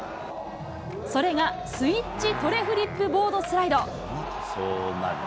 それがスイッチトレフリップボー９０